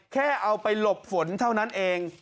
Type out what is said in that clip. แค่เอาไปหลบฝนเท่านั้นเอง